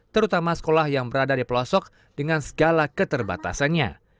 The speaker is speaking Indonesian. terutama sekolah yang berada di pelosok dengan segala keterbatasannya